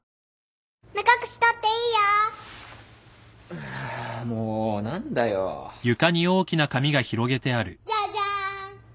ああもう何だよ。じゃじゃーん！